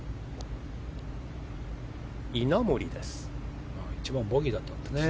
稲森です。